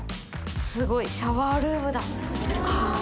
垢瓦シャワールームだ。